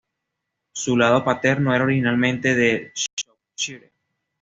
Su lado paterno era originalmente de Shropshire.